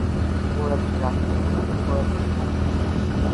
শুভ রাত্রি রাহুল শুভরাত্রি আঞ্জলি।